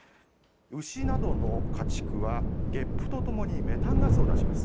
牛などの家畜はげっぷとともにメタンガスを出します。